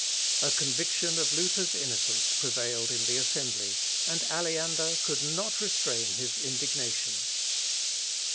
A conviction of Luther's innocence prevailed in the assembly, and Aleander could not restrain his indignation.